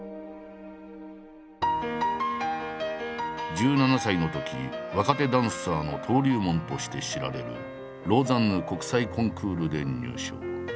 １７歳のとき若手ダンサーの登竜門として知られるローザンヌ国際コンクールで入賞。